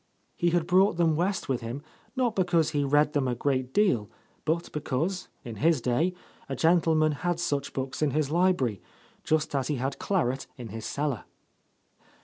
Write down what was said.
He had brought them West with him, not because he read them a great deal, but because, in his day, a gentleman had such books in his library, just as he had claret in his cellar.